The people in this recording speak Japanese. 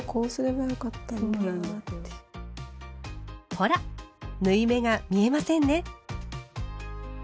ほら縫い目が見えませんね。